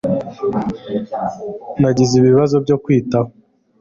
Nagize ibibazo byo kwitaho.